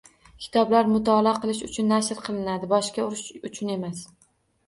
Kitoblar mutolaa uchun nashr qilinadi, boshga urish uchun emas